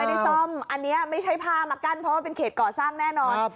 ไม่ได้ซ่อมอันนี้ไม่ใช่ผ้ามากั้นเพราะว่าเป็นเขตก่อสร้างแน่นอน